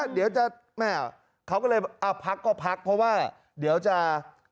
เดี๋ยวจะเขาก็เลยอ่ะพักก็พักเพราะว่าเดี๋ยวจะเขาเรียกอะไร